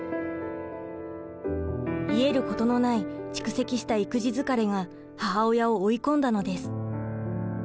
癒えることのない蓄積した育児疲れが母親を追い込んだのです。